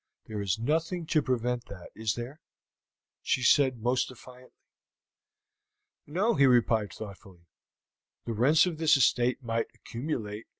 There is nothing to prevent that, is there?" she said almost defiantly. "No," he replied thoughtfully. "The rents of this estate might accumulate.